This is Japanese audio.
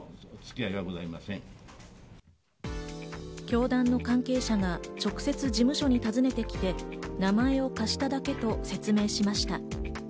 教団の関係者が直接事務所に訪ねてきて、名前を貸しただけと説明しました。